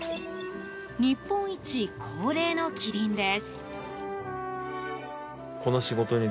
日本一高齢のキリンです。